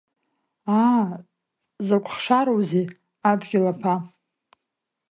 Аа, узакә хшароузеи, Адгьыл аԥа!